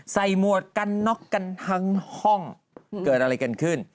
หมวกกันน็อกกันทั้งห้องเกิดอะไรกันขึ้น